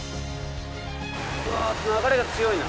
わ流れが強いな。